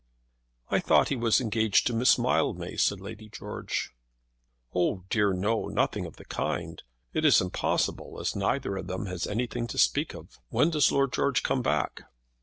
"I thought he was engaged to Miss Mildmay," said Lady George. "Oh, dear no; nothing of the kind. It is impossible, as neither of them has anything to speak of. When does Lord George come back?"